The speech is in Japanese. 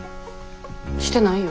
してないよ。